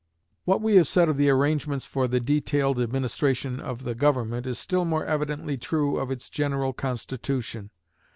What we have said of the arrangements for the detailed administration of the government is still more evidently true of its general constitution.